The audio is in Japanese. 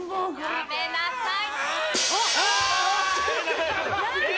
やめなさい！